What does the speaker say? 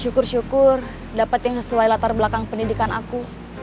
syukur syukur dapat yang sesuai latar belakang pendidikan aku